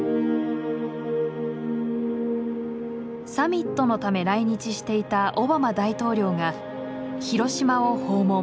サミットのため来日していたオバマ大統領が広島を訪問。